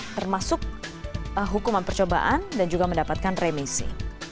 termasuk hukuman percobaan dan juga mendapatkan remisi